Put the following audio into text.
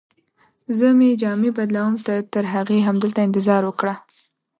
زه مې جامې بدلوم، ته ترهغې همدلته انتظار وکړه.